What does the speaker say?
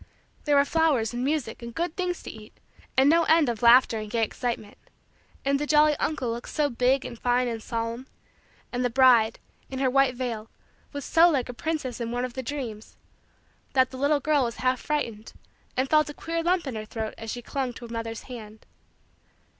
There were flowers and music and good things to eat and no end of laughter and gay excitement; and the jolly uncle looked so big and fine and solemn; and the bride, in her white veil, was so like a princess in one of the dreams; that the little girl was half frightened and felt a queer lump in her throat as she clung to her mother's hand.